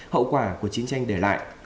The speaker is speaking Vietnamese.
hậu quả của chiến tranh để lại